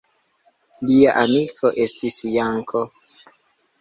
Lia amiko estis Janko.